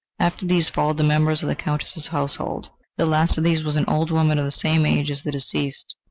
After these followed the members of the Countess's household. The last of these was an old woman of the same age as the deceased.